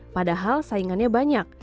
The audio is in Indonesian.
padahal saingannya banyak